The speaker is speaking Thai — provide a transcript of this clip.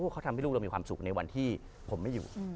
เขาทำให้ลูกเรามีความสุขในวันที่ผมไม่อยู่